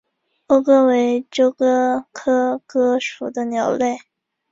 欧鸽为鸠鸽科鸽属的鸟类。